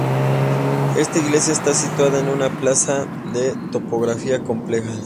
Esta iglesia está situada en una plaza de topografía compleja.